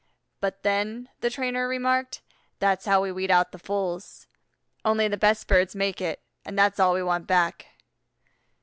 "But then," the trainer remarked, "that's how we weed out the fools; only the best birds make it, and that's all we want back."